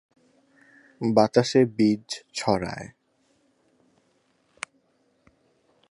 বাতাসে বীজ ছড়ায়।